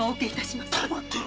黙っていろ